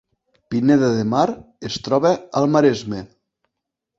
Pineda de Mar es troba al Maresme